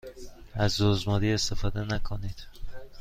از رزماری استفاده نکنید.